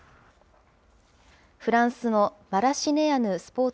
フランスのマラシネアヌスポーツ